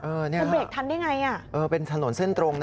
มันเบรกทันได้ไงอ่ะเออเป็นถนนเส้นตรงนะ